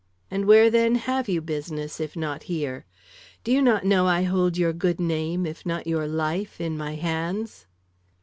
"And where, then, have you business if not here? Do you not know I hold your good name, if not your life, in my hands?"